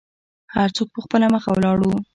هر څوک په خپله مخه ولاړو.